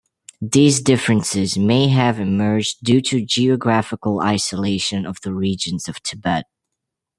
These differences may have emerged due to geographical isolation of the regions of Tibet.